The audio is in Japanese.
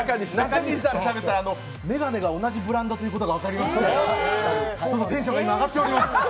中西さんとしゃべったら眼鏡が同じブランドだと分かりましてテンションが今、上がっております。